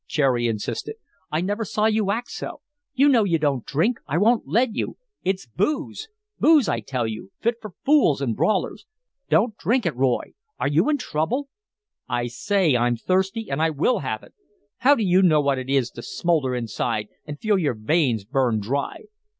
Cherry insisted. "I never saw you act so. You know you don't drink. I won't let you. It's booze booze, I tell you, fit for fools and brawlers. Don't drink it, Roy. Are you in trouble?" "I say I'm thirsty and I will have it! How do you know what it is to smoulder inside, and feel your veins burn dry?"